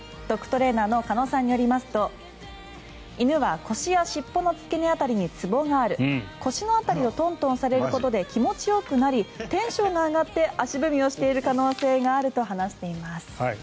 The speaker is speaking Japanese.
ドッグトレーナーの鹿野さんによりますと犬は腰や尻尾の付け根辺りにツボがある腰の辺りをトントンされることで気持ちよくなりテンションが上がって足踏みをしている可能性があると話しています。